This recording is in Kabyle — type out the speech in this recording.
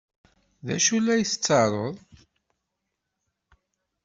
D acu ay la tettaru?